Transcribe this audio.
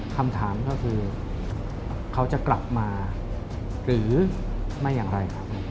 คำถามก็คือเขาจะกลับมาหรือไม่อย่างไรครับ